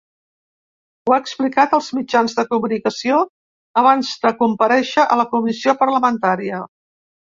Ho ha explicat als mitjans de comunicació abans de comparèixer a la comissió parlamentària.